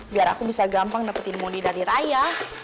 biar aku bisa gampang dapetin moni dari ayah